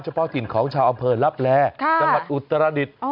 เพาะถิ่นของชาวอำเภอลับแลจังหวัดอุตรดิษฐ์